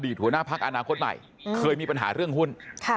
หัวหน้าพักอนาคตใหม่เคยมีปัญหาเรื่องหุ้น